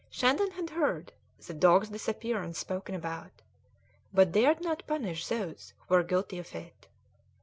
Shandon had heard the dog's disappearance spoken about, but dared not punish those who were guilty of it.